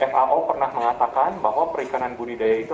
fao pernah mengatakan bahwa perikanan budidaya itu